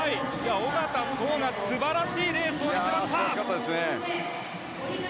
小方颯が素晴らしいレースを見せました。